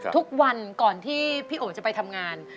ทุกวันก่อนที่พี่โอจะไปทำงาน